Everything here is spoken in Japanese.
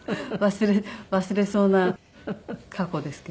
忘れそうな過去ですけど。